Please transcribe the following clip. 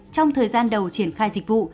trong thời gian đầu triển khai dịch vụ